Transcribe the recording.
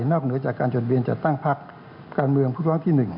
เหนือจากการจดเบียนจัดตั้งพักการเมืองผู้ร้องที่๑